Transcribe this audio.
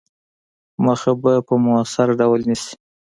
مخه به په موثِر ډول نیسي.